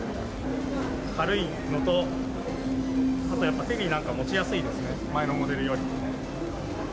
軽いのと、あとやっぱ手になんか、持ちやすいですね、前のモデルより。